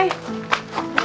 masukkan lagi ya